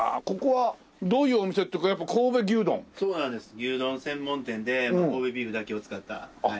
牛丼専門店で神戸ビーフだけを使ったはい。